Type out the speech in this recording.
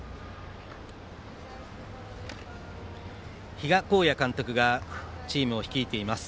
比嘉公也監督がチームを率いています。